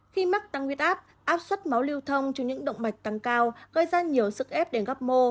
khi mắc tăng huyết áp áp suất máu lưu thông trên những động mạch tăng cao gây ra nhiều sức ép đến gấp mô